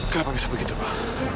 kenapa bisa begitu pak